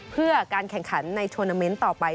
เพื่อการแข่งขันในทวนาเมนต์ต่อไป